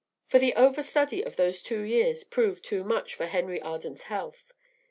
For the over study of those two years proved too much for Henry Arden's health.